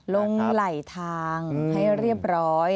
ลงไหลทางให้เรียบร้อย